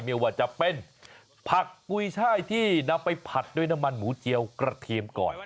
ไม่ว่าจะเป็นผักกุยช่ายที่นำไปผัดด้วยน้ำมันหมูเจียวกระเทียมก่อน